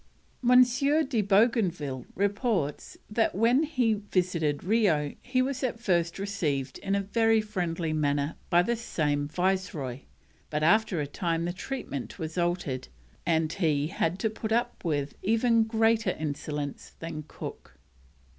M. de Bougainville reports that when he visited Rio he was at first received in a very friendly manner by this same Viceroy, but after a time the treatment was altered, and he had to put up with even greater insolence than Cook.